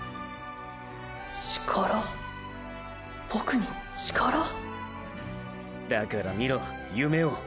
ボクに力⁉だから見ろ夢を。